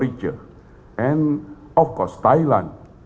dan tentu saja thailand